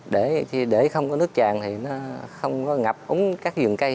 để không có nước tràn thì nó không ngập ống các dường cây